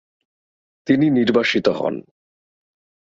তিনি নির্বাসিত হন।